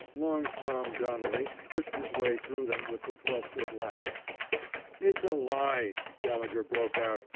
'''' Long Tom " Donnelly pushed his way through them with the twelve foot ladder. It's a lie," Gallegher broke out.